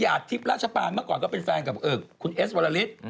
ทิพย์ราชปานเมื่อก่อนก็เป็นแฟนกับคุณเอสวรริส